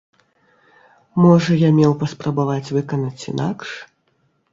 Можа, я меў паспрабаваць выканаць інакш?